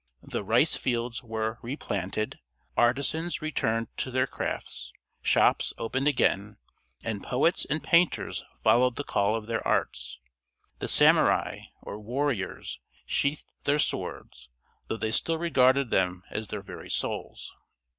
The rice fields were replanted, artisans returned to their crafts, shops opened again, and poets and painters followed the call of their arts. The samurai, or warriors, sheathed their swords, though they still regarded them as their very souls.